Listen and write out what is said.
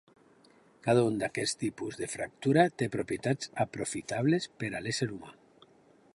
Cada un d'aquests tipus de fractura té propietats aprofitables per a l'ésser humà.